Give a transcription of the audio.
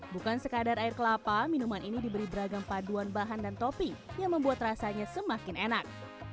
bukan sekadar air kelapa minuman ini diberi beragam paduan bahan dan topping yang membuat rasanya semakin enak